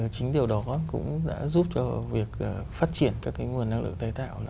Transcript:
chính điều đó cũng đã giúp cho việc phát triển các cái nguồn năng lượng tài tạo